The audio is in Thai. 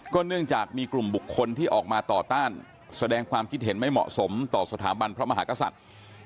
เนื่องจากมีกลุ่มบุคคลที่ออกมาต่อต้านแสดงความคิดเห็นไม่เหมาะสมต่อสถาบันพระมหากษัตริย์